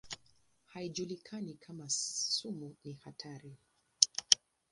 Haijulikani kama sumu ni hatari.